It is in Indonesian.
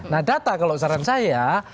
nah data kalau saran saya